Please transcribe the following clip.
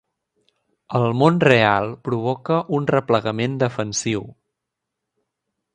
El món real provoca un replegament defensiu.